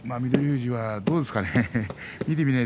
富士は、どうですかね。